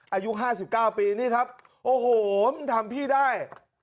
อายุห้าสิบเก้าปีนี่ครับโอ้โหทำพี่ได้